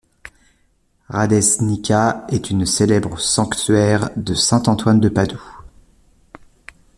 Radecznica est une célèbre sanctuaire de saint Antoine de Padoue.